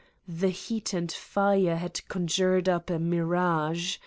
The heat and fire had conjured up a mirage.